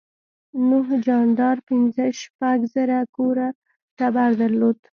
نوح جاندار پنځه شپږ زره کوره ټبر درلود.